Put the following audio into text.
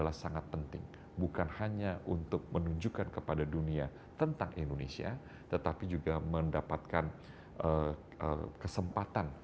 hanya untuk menunjukkan kepada dunia tentang indonesia tetapi juga mendapatkan kesempatan